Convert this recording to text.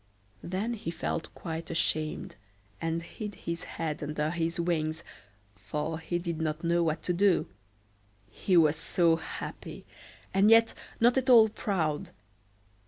Then he felt quite ashamed, and hid his head under his wings, for he did not know what to do; he was so happy, and yet not at all proud.